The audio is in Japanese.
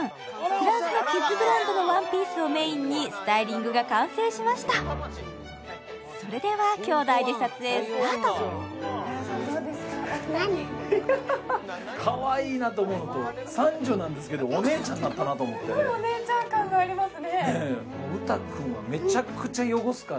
フランスのキッズブランドのワンピースをメインにスタイリングが完成しましたそれではきょうだいで撮影スタートエハラさんどうですかお二人と思うのとなったなと思ってすごいお姉ちゃん感がありますね